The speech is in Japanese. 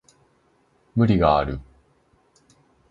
無理がある